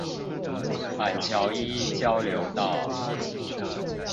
板橋一交流道